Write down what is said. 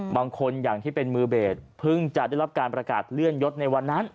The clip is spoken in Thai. บางคนอย่างที่เป็นมือเบสเพิ่งจะได้รับการประกาศเลื่อนยศในวันนั้น